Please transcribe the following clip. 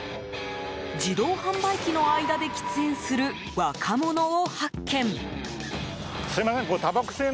自動販売機の間で喫煙する若者を発見。